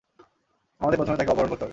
আমাদের প্রথমে তাকে অপহরণ করতে হবে।